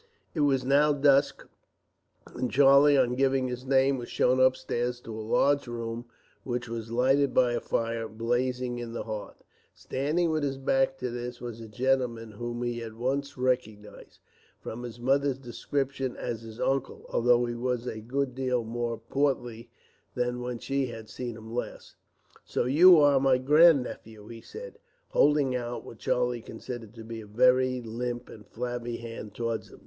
It was now dusk, and Charlie, on giving his name, was shown upstairs to a large room, which was lighted by a fire blazing in the hearth. Standing with his back to this was a gentleman whom he at once recognized, from his mother's description, as her uncle, although he was a good deal more portly than when she had seen him last. "So you are my grandnephew," he said, holding out what Charlie considered to be a very limp and flabby hand towards him.